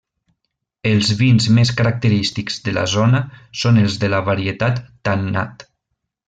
Els vins més característics de la zona són els de la varietat tannat.